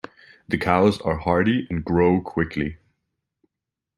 The cows are hardy, and grow quickly.